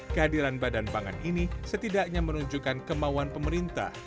kehadiran badan pangan ini setidaknya menunjukkan kemauan pemerintah